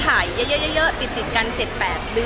อย่างไรก็ได้หมด